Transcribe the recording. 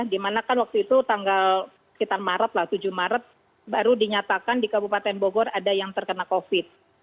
dimana kan waktu itu tanggal sekitar maret lah tujuh maret baru dinyatakan di kabupaten bogor ada yang terkena covid